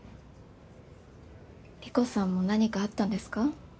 理子さんも何かあったんですか？